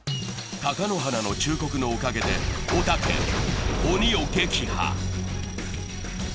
貴乃花の忠告のおかげで、おたけ、鬼を撃破。